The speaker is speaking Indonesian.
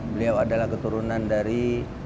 beliau adalah keturunan dari